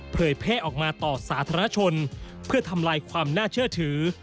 เผยแพร่ออกมาต่อสาธารณชนเพื่อทำลายความน่าเชื่อถือ